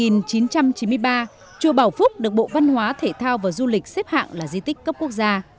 năm một nghìn chín trăm chín mươi ba chùa bảo phúc được bộ văn hóa thể thao và du lịch xếp hạng là di tích cấp quốc gia